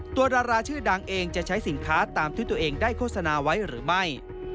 ดาราชื่อดังเองจะใช้สินค้าตามที่ตัวเองได้โฆษณาไว้หรือไม่